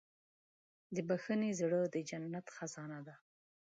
د بښنې زړه د جنت خزانه ده.